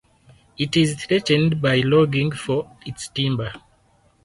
It is threatened by logging for its timber.